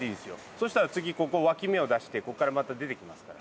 そしたら次ここわき芽を出してここからまた出てきますから。